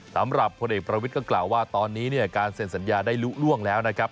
สำหรับพลเอกประวิทย์ก็กล่าวว่าตอนนี้เนี่ยการเซ็นสัญญาได้ลุล่วงแล้วนะครับ